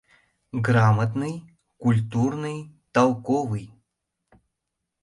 Грамотный, культурный, толковый.